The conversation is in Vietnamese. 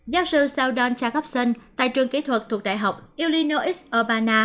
giáo sư saldon jacobson tại trường kỹ thuật thuộc đại học illinois urbana